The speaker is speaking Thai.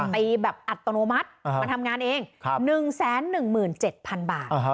ไปแบบอัตโนมัติมาทำงานเอง๑๑๗๐๐๐บาท